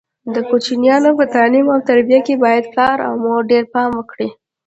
د کوچنیانو په تعلیم او تربیه کې باید پلار او مور ډېر پام وکړي.